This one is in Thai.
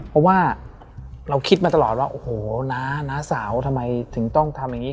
เพราะว่าเราคิดมาตลอดว่าโอ้โหน้าน้าสาวทำไมถึงต้องทำอย่างนี้